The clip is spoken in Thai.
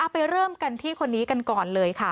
ไปเริ่มกันที่คนนี้กันก่อนเลยค่ะ